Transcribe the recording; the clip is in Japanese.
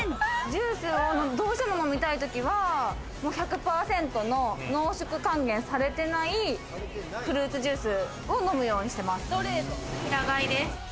ジュースをどうしても飲みたい時は１００％の濃縮還元されてないフルーツジュースを飲むようにして平飼いです。